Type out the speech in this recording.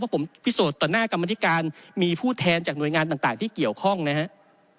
ผมพิสูจน์ต่อหน้ากรรมธิการมีผู้แทนจากหน่วยงานต่างที่เกี่ยวข้องนะครับ